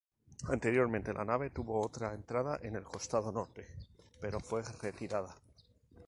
Anteriormente, la nave tuvo otra entrada en el costado norte, pero fue retirada.